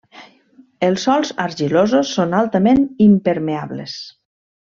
Els sòls argilosos són altament impermeables.